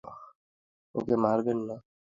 ওকে মারবেন না, স্যার।